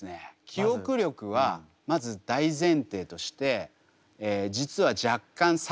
記憶力はまず大前提として実は若干差があります。